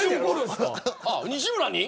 西村に。